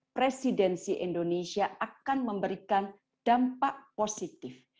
presidensi indonesia akan memberikan dampak positif